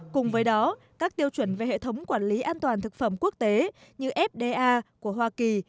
cùng với đó các tiêu chuẩn về hệ thống quản lý an toàn thực phẩm quốc tế như fda của hoa kỳ